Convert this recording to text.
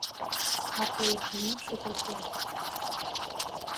Aipepirũ chupekuéra.